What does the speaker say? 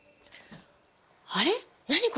あれっ何？